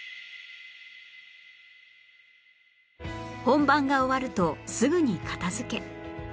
本番が終わるとすぐに片付け